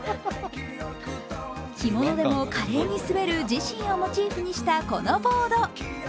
着物でも華麗に滑る自身をモチーフにしたこのボード。